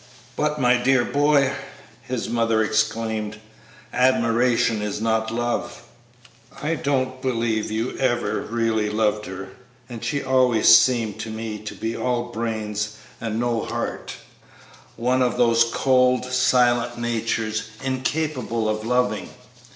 "But, my dear boy," his mother exclaimed, "admiration is not love; I don't believe you ever really loved her, and she always seemed to me to be all brains and no heart one of those cold, silent natures incapable of loving."